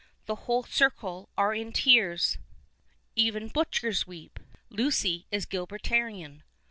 The whole circle arc in tears ! Even butchers weep !" Lucy is Gilbertian.